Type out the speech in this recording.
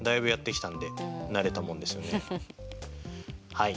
はい。